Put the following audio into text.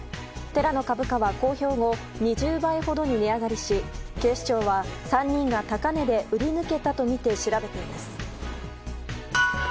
テラの株価は公表後２０倍ほどに値上がりし警視庁は３人が高値で売り抜けたとみて調べています。